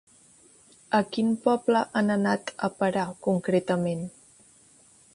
A quin poble han anat a parar, concretament?